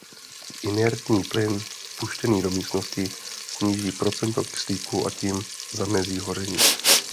Inertní plyn vpuštěný do místnosti sníží procento kyslíku a tím zamezí hoření.